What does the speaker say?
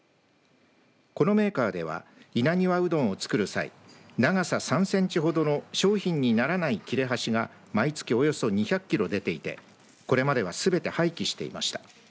このメーカーでは稲庭うどんを作る際長さ３センチほどの商品にならない切れ端が毎月およそ２００キロ出ていてこれまではすべて廃棄していました。